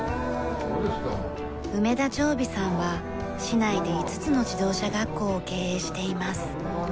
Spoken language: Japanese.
梅田條尾さんは市内で５つの自動車学校を経営しています。